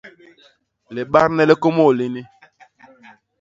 Libadne li kômôl lini.